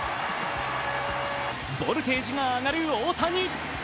ボルテージが上がる大谷。